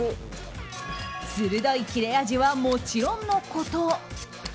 鋭い切れ味はもちろんのこと